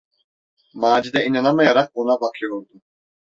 Macide inanamayarak ona bakıyordu.